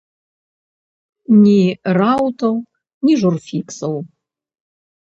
Ні раутаў, ні журфіксаў!